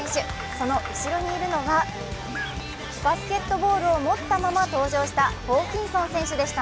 その後ろにいるのがバスケットボールを持ったまま登場したホーキンソン選手でした。